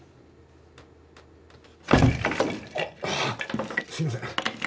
あっすいません。